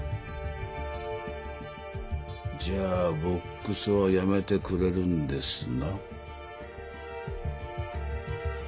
じゃあボックスはやめてくれるんですな？